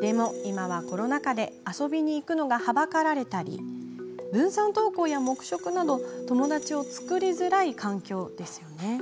でも、今はコロナ禍で遊びに行くのがはばかられたり分散登校や黙食など友達を作りづらい環境ですよね。